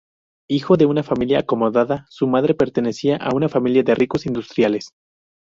Hijo de una familia acomodada, su madre pertenecía a una familia de ricos industriales.